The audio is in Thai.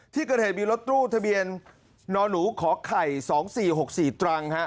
ที่เกิดเหตุมีรถตู้ทะเบียนหนอนูขอไข่สองสี่หกสี่ตรังฮะ